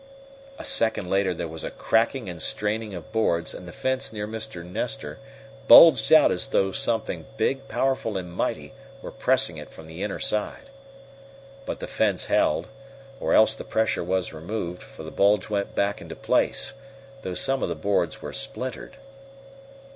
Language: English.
A second later there was a cracking and straining of boards, and the fence near Mr. Nestor bulged out as though something big, powerful and mighty were pressing it from the inner side. But the fence held, or else the pressure was removed, for the bulge went back into place, though some of the boards were splintered.